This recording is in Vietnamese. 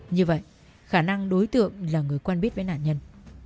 như vậy khả năng đối tượng là người quen biết với nạn nhân